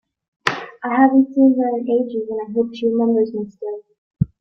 I haven’t seen her in ages, and I hope she remembers me still!